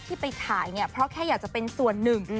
ที่ไปถ่ายเนี่ยเพราะแค่อยากจะเป็นส่วนหนึ่ง